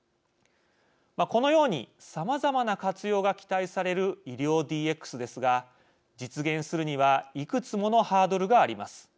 このように、さまざまな活用が期待される医療ＤＸですが実現するにはいくつものハードルがあります。